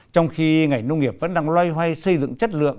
trong khi ngành nông nghiệp vẫn đang loay hoay xây dựng chất lượng